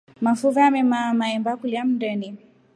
Mafuve amemaama mahemba kulya mndeni.